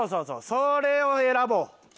それを選ぼう。